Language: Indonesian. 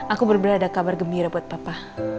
aku bener bener ada kabar gembira buat papa